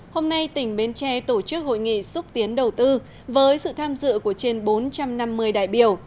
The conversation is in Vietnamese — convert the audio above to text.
hôm nay tỉnh bến tre tổ chức hội nghị xúc tiến đầu tư với sự tham dự của trên bốn trăm năm mươi đại biểu